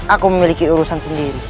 aku memiliki urusan sendiri